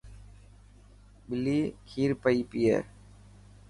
ٻلي کير پيي پئي.